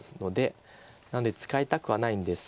なので使いたくはないんですが。